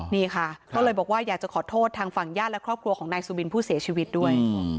นี่ค่ะก็เลยบอกว่าอยากจะขอโทษทางฝั่งญาติและครอบครัวของนายสุบินผู้เสียชีวิตด้วย